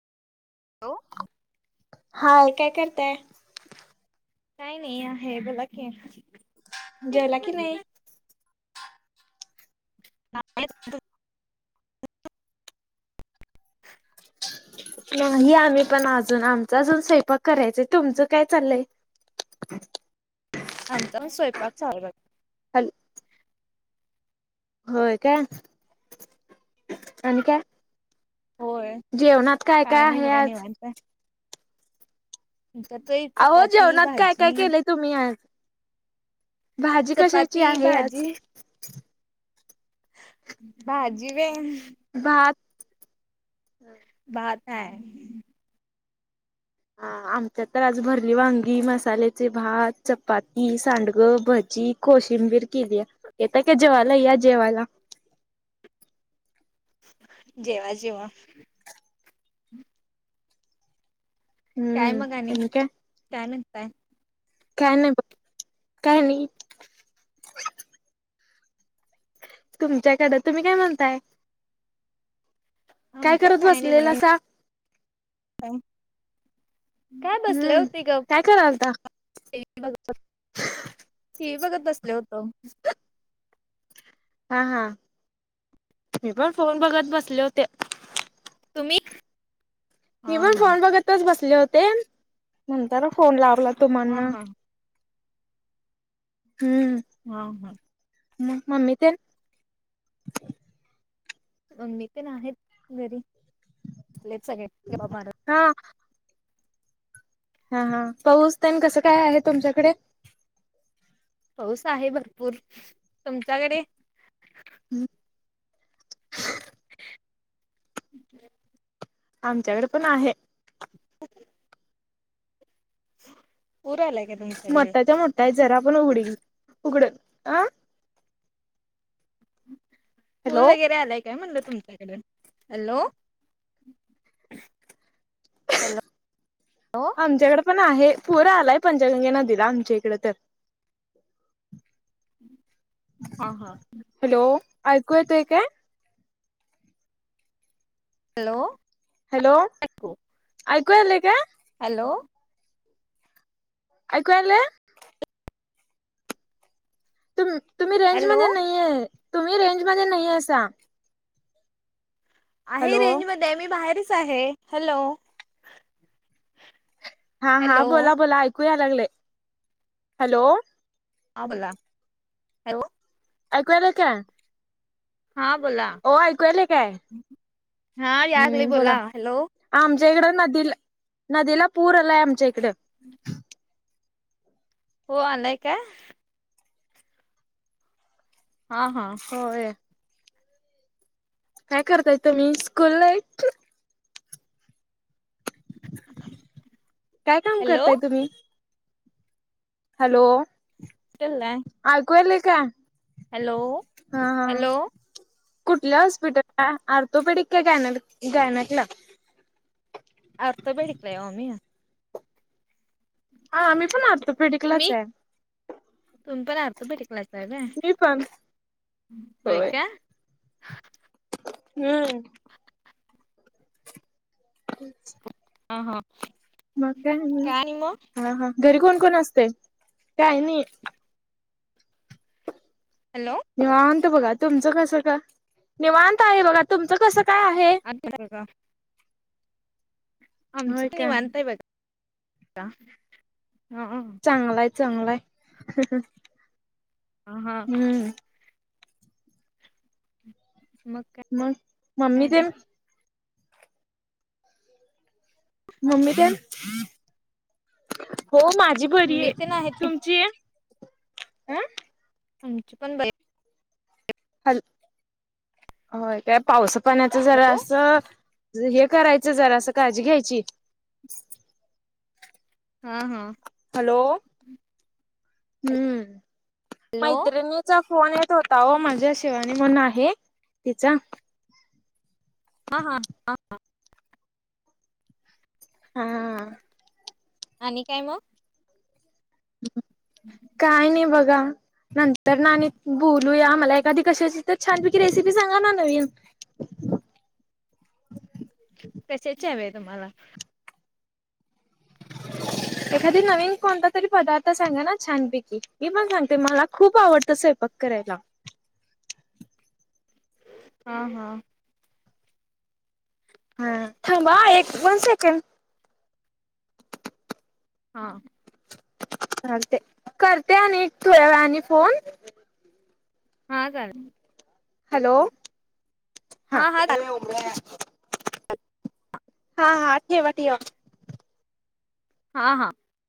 Hello! Hi काय करताय! काय नाही आहे बोला की, जवल्या की नाही! का [unintelligible] नाही आम्ही पण अजून आमचा अजून स्वयंपाक करायचय तुमचं काय चाललंय. [inaudible] आमच्या स्वयंपाक चालू आहे. हॅलो! होय का आणि काय, होय जेवणात काय नाही आहे बघा आज निवांत. च्या त अहो चपाती, जेवणात काय काय भाजी, केलंय तुम्ही आ भाजी कशाची चपाती आहे आज. भाजी भाजी होय. भात भात आहे. हा आमच्यात तर आज भरली वांगी, मसाल्याचे भात, चपाती, सांडगं, भजी, कोशिंबीर केली येताय का जेवायला या जेवायला. जेवा जेवा. काय हम्म मग आणि काय काय म्हनताय. काय नाही बा काय नाही तुमच्याकडं तुम्ही काय म्हणताय. आमच्याड करत काय नाही बघा. बसलेला सा काय बसले हम्म होते ग! काय करालता? टीव्ही बघत बसले होतो. हा हा मी पण फोन बघत बसले होते तुम्ही हा मी पण हा फोन बघतच बसले होते नंतर फोन लावला ह तुम्हाना. ह हम्म हम हा म ममी ते मग मी प आहेत घरी आपले सगळे जॉ मारत हा हा हा पाऊसता कसं काय आहे तुमच्याकडे पाऊस आहे भरपूर तुमच्याकडे हम् हम् आमच्याकडे पण आहे क उरालागे तुम मोठाच्या मोठा जरा आपण उघड उघड अ पूर हॅलो वगैरे आलाय काय म्हणलं तुमच्याकडे हॅलो हॅलो आमच्याकडे पण आहे पूर आलाय पंचगंगे नदीला आमच्या इकडे तर हा हा हॅलो ऐकू येतोय काय हॅलो हॅलो ऐकूयाले का हॅलो ऐू आ आणलंले तुम्ही रेंज हॅलो मध्ये नाहीये तुम्ही रेंज मध्ये नाही असा आहे हॅलो रेंज मध्ये मी बाहेरच आहे हॅलो हा हा हॅलो बोला बोला ऐकू या लागले हॅलो हां बोला हॅलो अगुवाला का हा बोला हो ऐकूयला काय हा यागली हम्म बोला हॅलो आमच्या इकडं नदीला नदीला पूर आलाय आमच्या इकडे हम् हो आलाय का हा हा होय काय करता येत मी स्कूल ला काय काम हॅलो करताय तुम्ही हॅलो तलाय आयकुयेल का हा हा हॅलो कुठल्या हॉस्पिटलला आर्थोपेडिक का गा गायनटला अर्थ बेडिकलाय म ममी हाम्हीण आतो तुम्ही तुम् पण आहात भेट कला मी पण होय का हम्म हच् हा हा मग काय आणि मग हा हा घरी कोण कोण असते काय नाही हॅलो निवांत बघा तुमचं कसं काय निवांत आहे बघा तुमचं कसं काय आहे अ का आमच होय का नव अता इ हा चांगलाय चांगलाय ह हा हम्म मग मग काय म्मी ते मम्मी त्या हो माझी बरी मी आहे तेन तुमची ये आं आमची पण ब ह होय काय पावस पाण्याच जरा असं हे करायचं जरा असं काळजी घ्यायची हा हा हॅलो हम्म हॅलो मैत्रिणी तचा फोन येत होता हो माझ्या शिवानी म्हण आहे तिचा ह हां ह हां हा आणि काय मग काय नाही बघा नंतर ना बोलूया मला एखादी कशाची तर छानपैकी रेसिपी सांगा ना नवीन कशाचे हव तुम्हाला हो एखादी नवीन कोणता तरी पदार्थ सांगा ना छानपैकी मी पण सांगते मला खूप आवडतं स्वय प करायला हा हा हा थांबा हं, एक वन सेकेंड. हा. चालतंय, करते आणि थोड्या वेळाने फोन. हा चालेल. हॅलो हा हा हा ठेवा ठवा. हा हा.